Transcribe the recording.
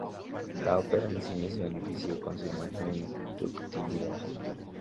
La ópera en cine se benefició con su imagen y ductilidad.